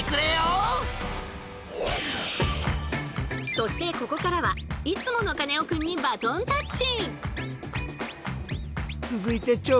そしてここからはいつものカネオくんにバトンタッチ！